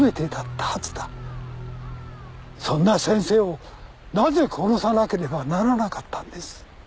そんな先生をなぜ殺さなければならなかったんです？